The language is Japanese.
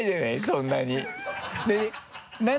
そんなにね。